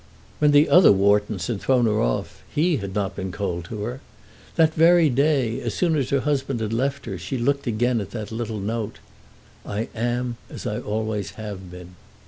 When the other Whartons had thrown her off, he had not been cold to her. That very day, as soon as her husband had left her, she looked again at that little note. "I am as I always have been!"